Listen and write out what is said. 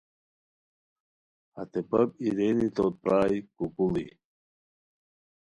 ہتے بپ ای رینی توت پرائے، کوکوڑی